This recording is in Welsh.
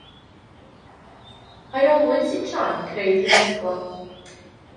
Mae'r olwyn sy'n troi'n creu diweddglo.